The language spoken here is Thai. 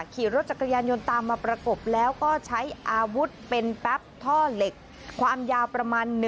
ขี่รถจักรยานยนต์ตามมาประกบแล้วก็ใช้อาวุธเป็นแป๊บท่อเหล็กความยาวประมาณ